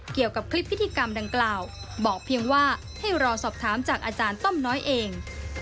เกี่ยวกับคลิปพิธีกรรมดังกล่าวบอกเพียงว่าให้รอสอบถามจากอาจารย์ต้อมน้อยเอง